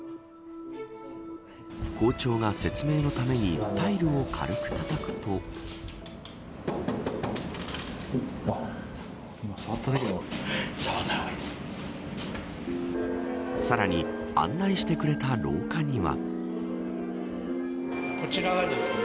校長が説明のためにタイルを軽くたたくとさらに案内してくれた廊下には。